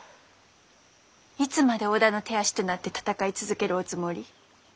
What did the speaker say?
いつまで織田の手足となって戦い続けるおつもり？